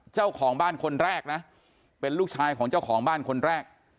เจ้าของบ้านคนแรกนะเป็นลูกชายของเจ้าของบ้านคนแรก